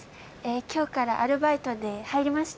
きょうからアルバイトで入りました。